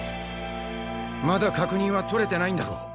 まだ確認は取れてないんだろ？